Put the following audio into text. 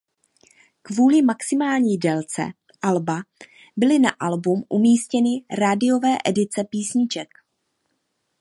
Kvůli maximální délce alba byly na album umístěny rádiové edice písniček.